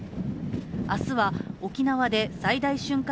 明日は沖縄で最大瞬間